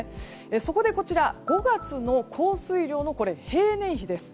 そこで、こちら５月の降水量の平年比です。